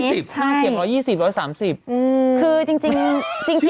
คือจริงเราเชื่อหรือยังใช่